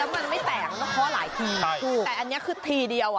เคาะหลายทีแต่อันนี้คือทีเดียวอ่ะ